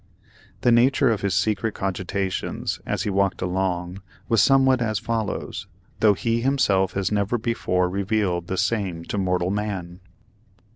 The nature of his secret cogitations, as he walked along, was somewhat as follows, though he himself has never before revealed the same to mortal man.